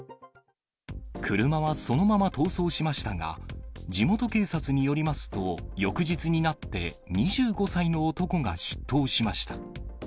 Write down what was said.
車はそのまま逃走しましたが、地元警察によりますと、翌日になって、２５歳の男が出頭しました。